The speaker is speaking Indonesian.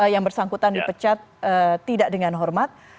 yang bersangkutan dipecat tidak dengan hormat